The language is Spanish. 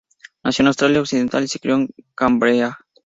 Nació en Australia Occidental y se crio en Canberra.